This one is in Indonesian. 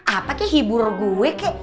apa kek hibur gue kek